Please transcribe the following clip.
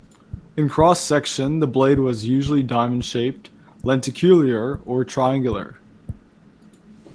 In cross section, the blade was usually diamond-shaped, lenticular, or triangular.